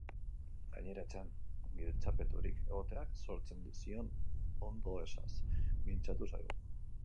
Gainera, etxean giltzapeturik egoteak sortzen zion ondoezaz mintzatu zaigu.